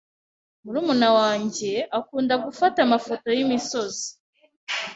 Murumuna wanjye akunda gufata amafoto yimisozi.